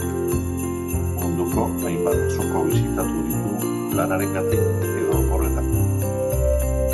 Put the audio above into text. Munduko hainbat txoko bisitatu ditu lanarengatik edo oporretan.